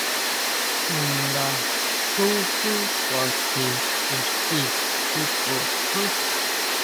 Xúʼndatsú xú kuakjien ixti xúto ján.